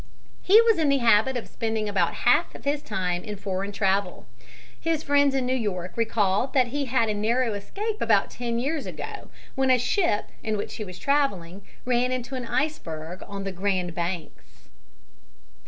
He was in the habit of spending about half of his time in foreign travel. His friends in New York recalled that he had a narrow escape about ten years ago when a ship in which he was traveling ran into an iceberg on the Grand Banks.